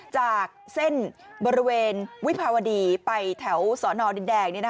จากเส้นบริเวณวิภาวดีไปแถวสอนอดินแดง